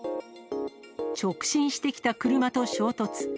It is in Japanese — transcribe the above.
直進してきた車と衝突。